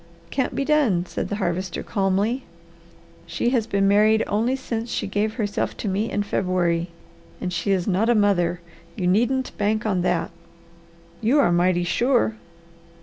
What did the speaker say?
"Can't be done!" said the Harvester calmly. "She has been married only since she gave herself to me in February, and she is not a mother. You needn't bank on that." "You are mighty sure!"